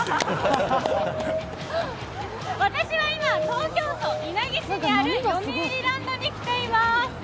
私は今、東京都稲城市にあるよみうりランドに来ています。